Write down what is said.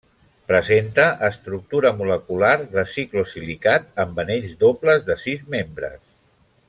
Presenta estructura molecular de ciclosilicat amb anells dobles de sis membres.